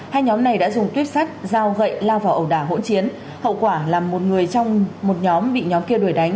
hai nhóm này đã dùng tuyếp sắt dao gậy lao vào ẩu đả hỗn chiến hậu quả là một người trong một nhóm bị nhóm kia đuổi đánh